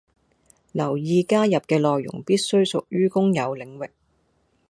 留意加入嘅內容必須屬於公有領域